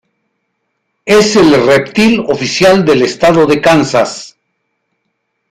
Es el reptil oficial del estado de Kansas.